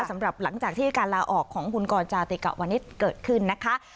หลังจากที่การลาออกของคุณกรจาติกะวนิษฐ์เกิดขึ้นนะคะ